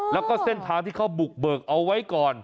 แล้วก็เส้นทางที่เขาบุกเบิกเอาไว้ก่อน